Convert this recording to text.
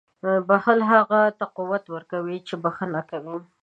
• بښل هغه ته قوت ورکوي چې بښنه کوي.